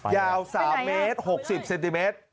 ยาว๓เมตร๖๐เซนติเมตร